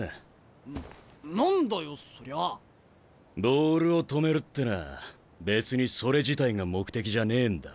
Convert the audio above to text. ボールを止めるってのは別にそれ自体が目的じゃねえんだ。